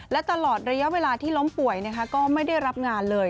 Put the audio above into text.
และตลอดระยะเวลาที่ล้มป่วยก็ไม่ได้รับงานเลย